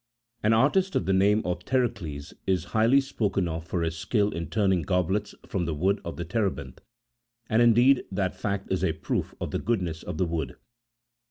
26 An artist of the name of Thericles is highly spoken of for his skill in turning goblets from the wood of the terebinth : and, indeed, that fact is a proof of the goodness of the wood.